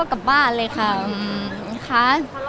ก็กลับบ้านครับกินข้าวก็กลับบ้าน